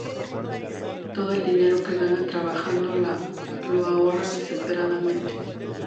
Todo el dinero que gana trabajando lo ahorra desesperadamente.